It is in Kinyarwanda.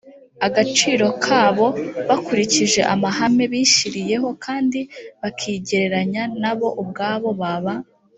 agaciro kabo bakurikije amahame bishyiriyeho kandi bakigereranya na bo ubwabo baba